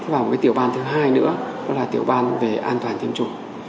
và một tiểu ban thứ hai nữa là tiểu ban về an toàn tiêm chủng